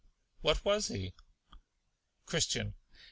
What was he? Christian.